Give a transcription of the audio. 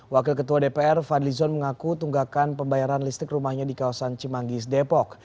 wakil ketua dpr fadlizon mengaku tunggakan pembayaran listrik rumahnya di kawasan cimanggis depok